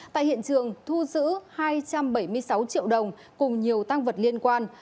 tại hiện trường thu giữ hai trăm bảy mươi sáu triệu đồng cùng nhiều tăng vật liên quan